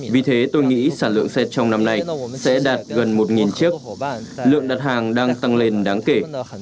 vì thế tôi nghĩ sản lượng xe trong năm nay sẽ đạt gần một chiếc lượng đặt hàng đang tăng lên đáng kể